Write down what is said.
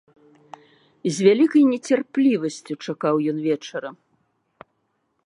З вялікай нецярплівасцю чакаў ён вечара.